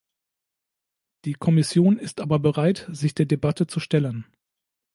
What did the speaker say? Die Kommission ist aber bereit, sich der Debatte zu stellen.